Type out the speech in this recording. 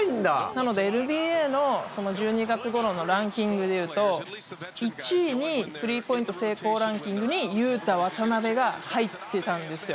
なので、ＮＢＡの１２月ごろのランキングでいうと１位にスリーポイント成功ランキングにユウタ・ワタナベが入ってたんですよ。